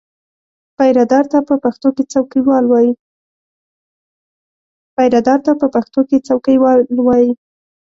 پیرهدار ته په پښتو کې څوکیوال وایي.